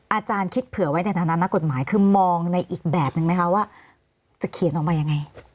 อาจารย์คิดเผื่อไว้ในฐานะนักกฎหมายคือมองในอีกแบบนึงไหมคะว่าจะเขียนออกมายังไง